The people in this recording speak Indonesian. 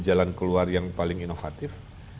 jalan keluar yang paling inovatif